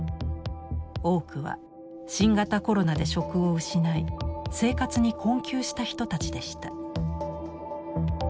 多くは新型コロナで職を失い生活に困窮した人たちでした。